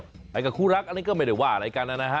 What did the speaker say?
อะไรกับคู่รักอันนี้ก็ไม่ได้ว่ารายการนะฮะ